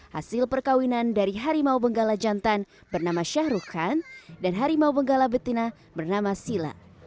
hasil perkawinan dari harimau benggala jantan bernama syahru kan dan harimau benggala betina bernama sila